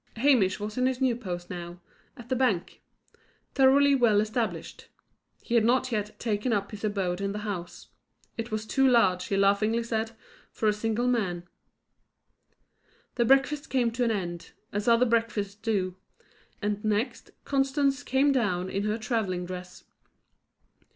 Hamish was in his new post now, at the bank: thoroughly well established. He had not yet taken up his abode in the house. It was too large, he laughingly said, for a single man. The breakfast came to an end, as other breakfasts do; and next, Constance came down in her travelling dress.